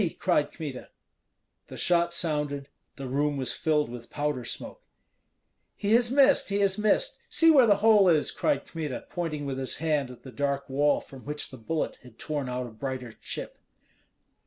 cried Kmita. The shot sounded; the room was filled with powder smoke. "He has missed, he has missed! See where the hole is!" cried Kmita, pointing with his hand at the dark wall from which the bullet had torn out a brighter chip.